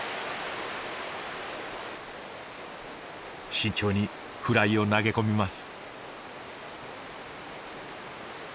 慎重にフライを投げ込みます。